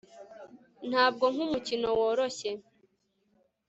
Ntabwo nkumukino woroshye